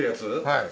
はい。